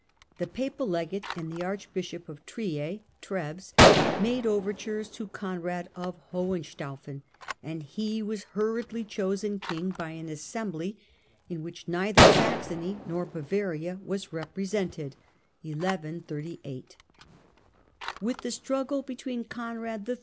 The papal legate and the Archbishop of Trier (Treves) made overtures to Election of Conrad of Hohenstaufen, and he was hurriedly chosen in^| nss king by an assembly in which neither Saxony nor Bavaria was represented. With the struggle between Conrad III.